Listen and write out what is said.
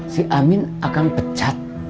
si amin akan pecat